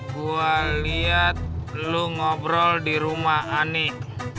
gua liat lu ngobrol di rumah anik